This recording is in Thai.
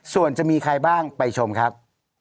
ส่วนจะมีใครบ้างไปชมครับ